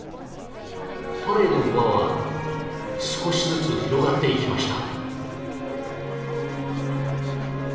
パレードの輪は少しずつ広がっていきました。